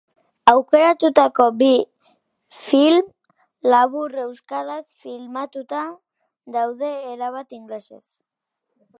Aukeratutako bi film labur euskaraz filmatuta daude eta bat ingelesez.